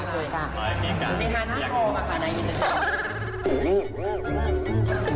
โดยจริงนะโขลมาคะในนี้จะได้